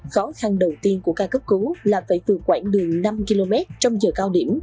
khó khăn đầu tiên của ca cấp cứu là phải vừa quản đường năm km trong giờ cao điểm